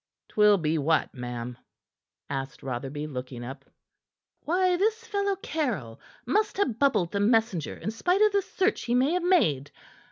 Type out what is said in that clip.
"'Twill be what, ma'am?" asked Rotherby, looking up. "Why, this fellow Caryll must ha' bubbled the messenger in spite of the search he may have made.